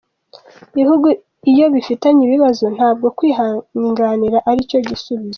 Ibihugu iyo bifitanye ibibazo ntabwo kwinangira aricyo gisubizo.